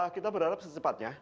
kita berharap secepatnya